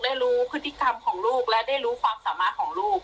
รู้พฤติกรรมของลูกและได้รู้ความสามารถของลูก